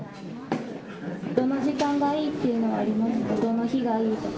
どの時間がいいっていうのはありますか？